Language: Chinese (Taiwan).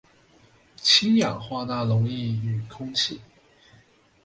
氫氧化鈉溶液與空氣